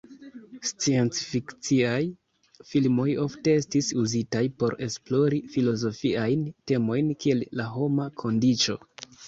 Sciencfikciaj filmoj ofte estis uzitaj por esplori filozofiajn temojn kiel la homa kondiĉo.